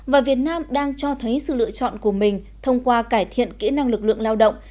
và việt nam đang cho thấy sự lựa chọn của mình thông qua cải thiện kỹ năng lực lượng lao động